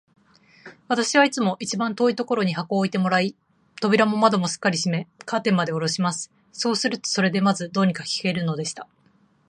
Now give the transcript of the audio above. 私はいつも一番遠いところに箱を置いてもらい、扉も窓もすっかり閉め、カーテンまでおろします。そうすると、それでまず、どうにか聞けるのでした。